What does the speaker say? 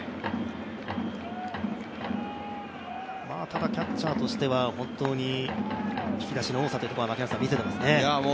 ただ、キャッチャーとしては本当に引き出しの多さを見せてますね。